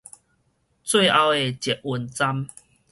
最後的捷運站